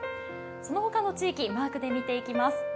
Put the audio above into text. その他の地域、マークで見ていきます。